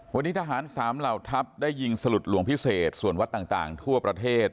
วันนี้ทหาร๓เหล่าทัพได้ยิงสลุดหลวงพิเศษส่วนวัดต่างทั่วประเทศ